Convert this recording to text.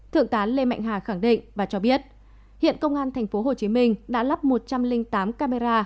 thượng tá lê mạnh hà khẳng định và cho biết hiện công an tp hcm đã lắp một trăm linh tám camera